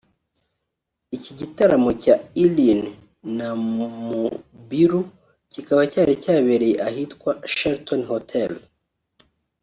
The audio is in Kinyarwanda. Iki gitaramo cya Iryn Namubiru kikaba cyari cyabereye ahitwa Sheraton Hotel